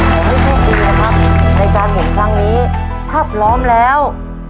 เฮ้ยทุกคนค่ะครับในการหมุนครั้งนี้พร้อมแล้ว